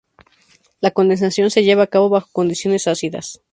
La condensación se lleva a cabo bajo condiciones ácidas.